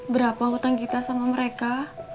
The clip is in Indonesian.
berapa hutang kita sama mereka